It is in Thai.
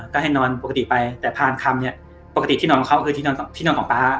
ก็ให้นอนปกติไปแต่พาลคำนี่ปกติที่นอนเขาคือที่นอนของพา